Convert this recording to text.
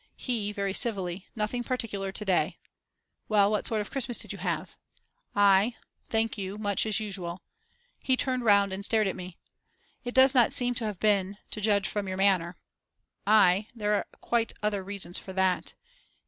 He very civilly: Nothing particular to day. Well, what sort of a Christmas did you have I: Thank you, much as usual. He turned round and stared at me: It does not seem to have been; to judge from your manner. I: There are quite other reasons for that.